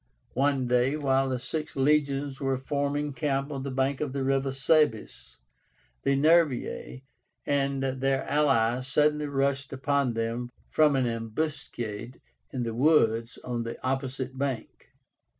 One day, while the six legions were forming camp on the bank of the river Sabis, the Nervii and their allies suddenly rushed upon them from an ambuscade in the woods on the opposite bank.